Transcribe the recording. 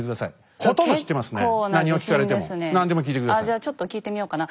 ああじゃちょっと聞いてみようかな。